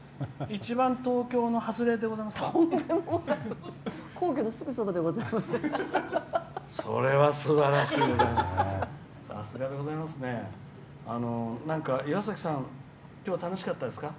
一番東京の外れでございますか？